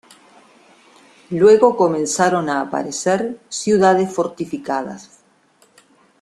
Luego comenzaron a aparecer ciudades fortificadas.